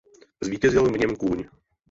Zvítězil v něm kůň.